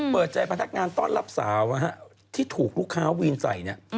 เปิดใจพนักงานต้อนรับสาวที่ถูกลูกค้าวีนใส่เนี่ย